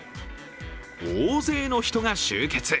大勢の人が集結。